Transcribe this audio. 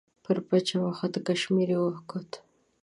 پر پچه وخوت کشمیر یې وکوت.